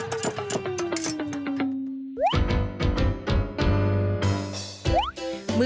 ดูเขาทำไปให้เดียวแล้วหนึ่งได้ตัวเดียวเองอ่ะ